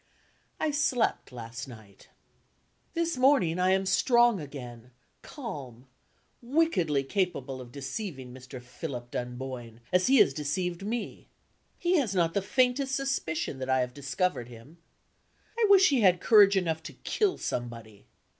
I slept last night. This morning, I am strong again, calm, wickedly capable of deceiving Mr. Philip Dunboyne, as he has deceived me. He has not the faintest suspicion that I have discovered him. I wish he had courage enough to kill somebody.